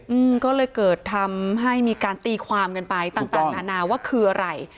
อืมก็เลยเกิดทำให้มีการตีความกันไปต่างต่างนานาว่าคืออะไร